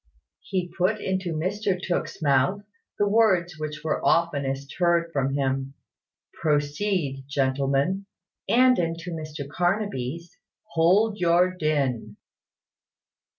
He put into Mr Tooke's mouth the words which were oftenest heard from him, "Proceed, gentlemen;" and into Mr Carnaby's, "Hold your din."